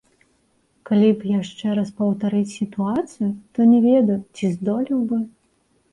Калі б яшчэ раз паўтарыць сітуацыю, то не ведаю, ці здолеў бы.